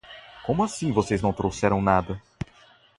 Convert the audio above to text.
Como assim vocês não trouxeram nada?